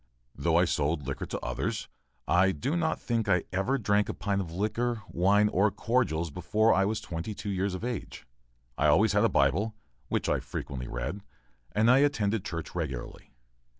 Though I sold liquors to others, I do not think I ever drank a pint of liquor, wine, or cordials before I was twenty two years of age. I always had a Bible, which I frequently read, and I attended church regularly.